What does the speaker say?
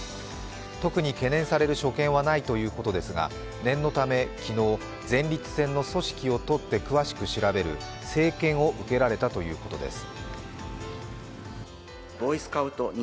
特に懸念される所見はないということですが、前立腺の組織を取って詳しく調べる生検を受けられたということです。